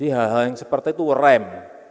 hal hal yang seperti itu rem